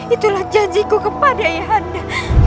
itulah janjiku kepada ayahanda